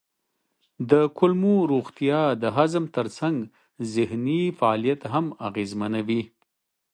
د کولمو روغتیا د هضم ترڅنګ ذهني فعالیت هم اغېزمنوي.